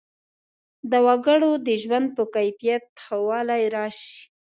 د وګړو د ژوند په کیفیت کې ښه والی راشي.